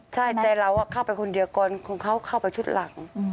ใช่แต่เราเข้าไปคนเดียวก่อนของเขาเข้าไปชุดหลัง